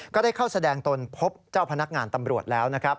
ก็ได้เข้าแสดงตนพบเจ้าพนักงานตำรวจแล้วนะครับ